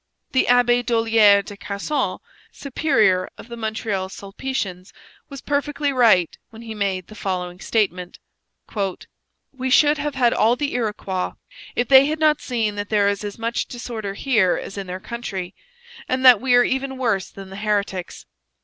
The Abbe Dollier de Casson, superior of the Montreal Sulpicians, was perfectly right when he made the following statement: We should have had all the Iroquois, if they had not seen that there is as much disorder here as in their country, and that we are even worse than the heretics.